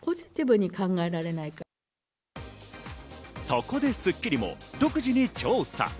そこで『スッキリ』も独自に調査。